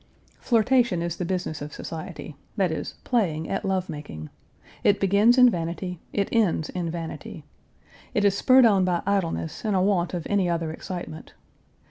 Flirtation is the business of society; that is, playing at Page 339 love making. It begins in vanity, it ends in vanity. It is spurred on by idleness and a want of any other excitement.